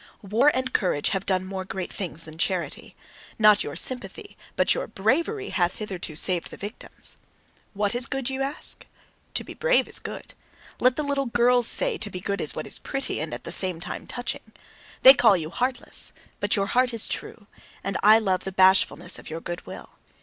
War and courage have done more great things than charity. Not your sympathy, but your bravery hath hitherto saved the victims. "What is good?" ye ask. To be brave is good. Let the little girls say: "To be good is what is pretty, and at the same time touching." They call you heartless: but your heart is true, and I love the bashfulness of your goodwill.